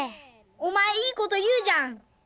お前いいこと言うじゃん。